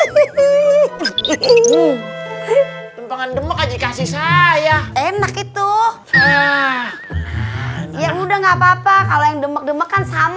tembangan demak aja kasih saya enak itu ya udah nggak apa apa kalau yang demak demakan sama